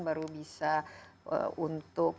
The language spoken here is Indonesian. baru bisa untuk